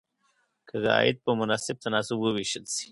که عاید په مناسب تناسب وویشل شي.